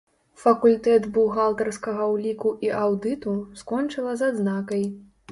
Факультэт бухгалтарскага ўліку і аўдыту, скончыла з адзнакай.